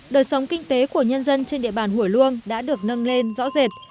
đời sống kinh tế của nhân dân trên địa bàn hủy luông đã được nâng lên rõ rệt